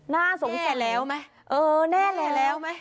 น่าสงสัยแน่แล้วไหมเออแน่แล้วแน่แล้วไหม